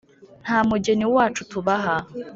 ”nta mugeni wacu tubaha